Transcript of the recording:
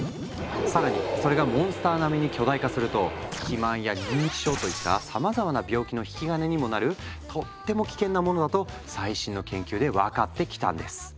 更にそれがモンスター並みに巨大化すると肥満や認知症といったさまざまな病気の引き金にもなるとっても危険なものだと最新の研究で分かってきたんです。